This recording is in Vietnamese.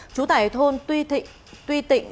chú tải thôn tuy tịnh